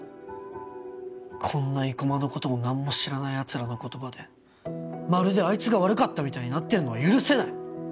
こんな生駒のことを何も知らないやつらの言葉でまるであいつが悪かったみたいになってんのは許せない。